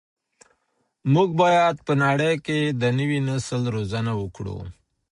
موږ باید په نړۍ کي د نوي نسل روزنه وکړو.